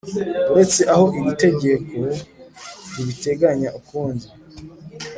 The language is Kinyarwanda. uretse aho iri tegeko ribiteganya ukundi